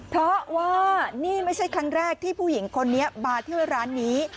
เพราะว่านี่ไม่ใช่ครั้งแรกที่ผู้หญิงคนนี้มาที่ร้านนี้